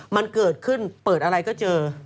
มันเกิดขึ้นเปิดอะไรก็เจอ